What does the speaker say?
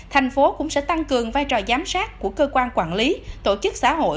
tp hcm cũng sẽ tăng cường vai trò giám sát của cơ quan quản lý tổ chức xã hội